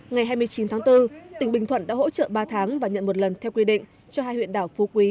ngày hai mươi chín tháng bốn tỉnh bình thuận đã hỗ trợ ba tháng và nhận một lần theo quy định cho hai huyện đảo phú quý